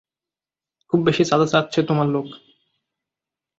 খুব বেশি চাঁদা চাচ্ছে তোর লোক।